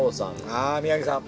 ああ宮城さん。